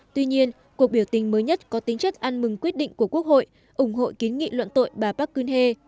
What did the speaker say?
tuy nhiên cuộc biểu tình mới nhất có tính chất ăn mừng quyết định của quốc hội ủng hộ kiến nghị luận tội bà park geun hye